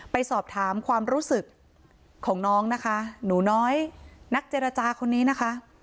ไปสอบถามความรู้สึกของน้องนะคะหนูน้อยนักเจรจาคนนี้นะคะ